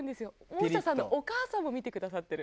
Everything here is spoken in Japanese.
大下さんのお母さんも見てくださってる。